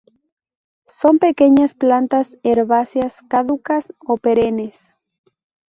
Son pequeñas plantas herbáceas caducas o perennes.